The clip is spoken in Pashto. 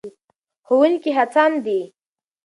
ښوونکي هڅاند دي.